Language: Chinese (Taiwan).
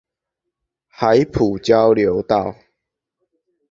海埔交流道